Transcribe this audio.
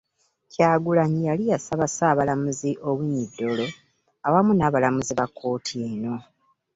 Kyagulanyi yali yasaba Ssaabalamuzi Owiny Dollo awamu n'abalamuzi ba kkooti eno